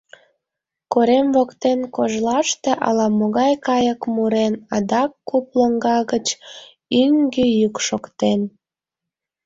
Корем воктен кожлаште ала-могай кайык мурен, адак куп лоҥга гыч ӱҥгӧ йӱк шоктен.